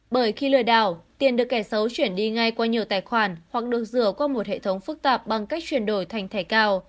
bởi khi lừa đảo tiền được kẻ xấu chuyển đi ngay qua nhiều tài khoản hoặc được rửa qua một hệ thống phức tạp bằng cách chuyển đổi thành thẻ cào